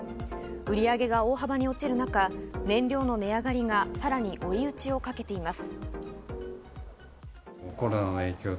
売り上げが大幅に落ちる中、燃料の値上がりがさらに追い討ちをかけています。